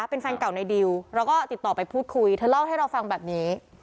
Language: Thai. เป็นแฟนเก่าในดิวเราก็ติดต่อไปพูดคุยเธอเล่าให้เราฟังแบบนี้